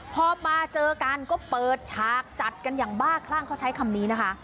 พอมาเจอกันก็เปิดฉากจัดกันอย่างบ้าคลั่งเขาใช้คำนี้นะคะ